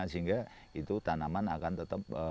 sehingga itu tanaman akan tetap